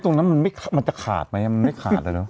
ตรงนั้นมันจะขาดไหมมันไม่ขาดเลยเนอ